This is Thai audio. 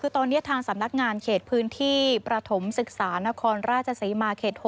คือตอนนี้ทางสำนักงานเขตพื้นที่ประถมศึกษานครราชศรีมาเขต๖